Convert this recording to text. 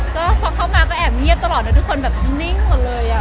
ก็เพราะเข้ามาก็แอบเงียบตลอดเนอะทุกคนแบบนิ่งกันเลยอ่ะ